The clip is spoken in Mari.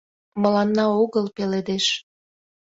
Мыланна огыл пеледеш.